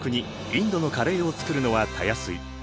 インドのカレーを作るのはたやすい。